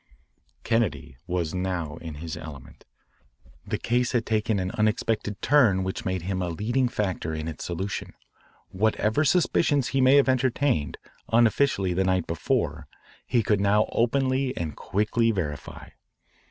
Kennedy was now in his element. The case had taken an unexpected turn which made him a leading factor in its solution. Whatever suspicions he may have entertained unofficially the night before he could now openly and quickly verify.